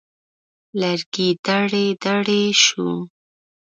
لرګی دړې دړې شو.